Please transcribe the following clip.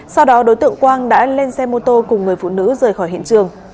sau đó đối tượng quang đã lên xe mô tô cùng người phụ nữ rời khỏi hiện trường